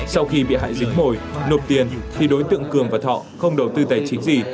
sau khi bị hại dính mồi nộp tiền thì đối tượng cường và thọ không đầu tư tài chính gì